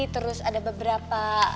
terus ada beberapa